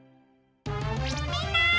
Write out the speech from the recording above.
みんな！